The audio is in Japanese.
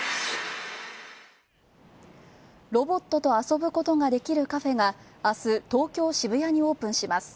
ロボットと遊ぶことができるカフェがあす、東京・渋谷にオープンします。